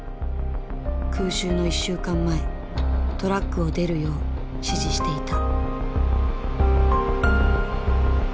空襲の１週間前トラックを出るよう指示していた。